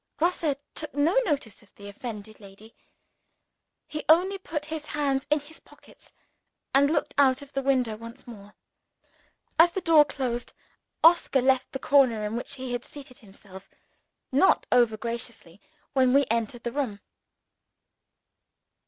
Grosse took no notice of the offended lady: he only put his hands in his pockets, and looked out of window once more. As the door closed, Oscar left the corner in which he had seated himself, not over graciously, when we entered the room.